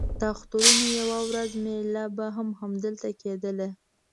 د اخترونو یوه ورځ مېله به هم همدلته کېدله.